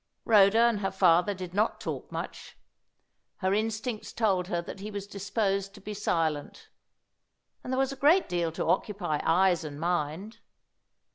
Rhoda and her father did not talk much. Her instincts told her that he was disposed to be silent; and there was a great deal to occupy eyes and mind.